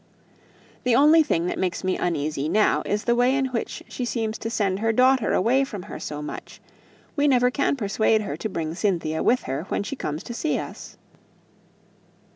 The only thing that makes me uneasy now is the way in which she seems to send her daughter away from her so much; we never can persuade her to bring Cynthia with her when she comes to see us."